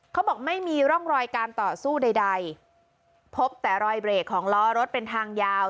เขาบอกไม่มีร่องรอยการต่อสู้ใดใดพบแต่รอยเบรกของล้อรถเป็นทางยาว